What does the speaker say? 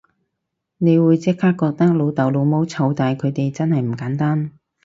你會即刻覺得老豆老母湊大佢哋真係唔簡單